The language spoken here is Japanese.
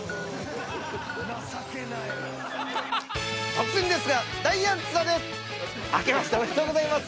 突然ですがダイアン津田です。